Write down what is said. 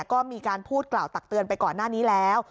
ก็มีการพูดกล่าวตักเตือนไปก่อนหน้านี้แล้ว